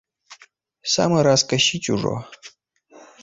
Самы раз касіць ужо.